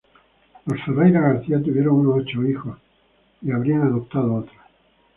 Los Ferreyra-García tuvieron unos ocho hijos y habrían adoptado otros.